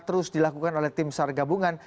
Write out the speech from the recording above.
terus dilakukan oleh tim sar gabungan